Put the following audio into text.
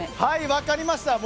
分かりました。